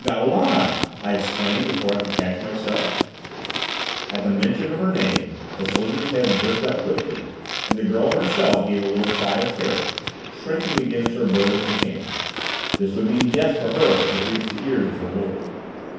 "Ngo Lan!" I exclaimed before I could catch myself. At the mention of her name, the soldier's head jerked up quickly, and the girl herself gave a little cry of terror, shrinking against her burly companion. This would mean death for her if it reached the ears of her lord.